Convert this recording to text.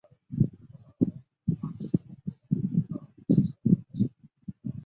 皇家海军陆战队并与皇家海军构成为英国海事部门。